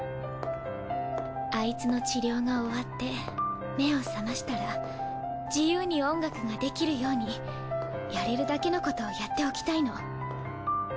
アイツの治療が終わって目を覚ましたら自由に音楽ができるようにやれるだけのことをやっておきたいの。